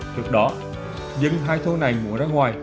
trước đó dân hai thôn này mua ra ngoài